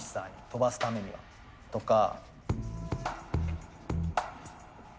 飛ばすためにはとか。